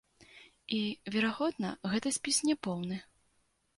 І, верагодна, гэты спіс няпоўны.